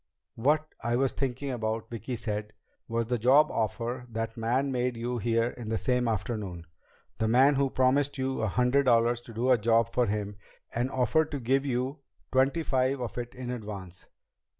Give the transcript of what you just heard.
"What I was thinking about," Vicki said, "was the job offer that man made you in here the same afternoon the man who promised you a hundred dollars to do a job for him and offered to give you twenty five of it in advance."